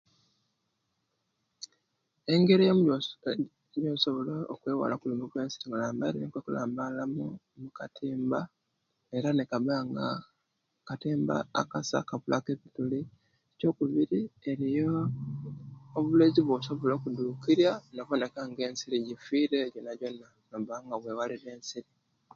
Engeri eemu eyesobola okwewalamu ensiri niiyo kulambala mukatimba era nikabanga katimba kasa akabulaku bituli ekyokubiri eriyo bulezi bwosobola okudukizya nobonekanga ensiri gifeere jonajona nobanga wewala ebyensiri .